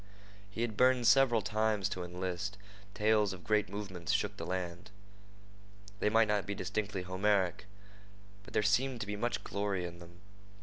He had burned several times to enlist. Tales of great movements shook the land. They might not be distinctly Homeric, but there seemed to be much glory in them.